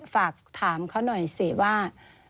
ฝากถามเขาหน่อยสิว่า